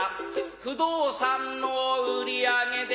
不動産の売り上げで